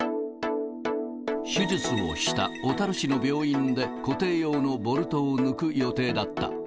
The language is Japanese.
手術をした小樽市の病院で固定用のボルトを抜く予定だった。